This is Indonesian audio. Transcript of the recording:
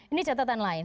ini catatan lain